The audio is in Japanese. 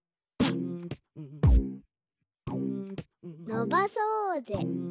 「のばそーぜ」